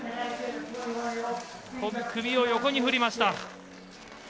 首を横に振りました。